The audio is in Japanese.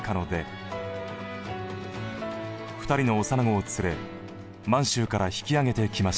２人の幼子を連れ満州から引き揚げてきました。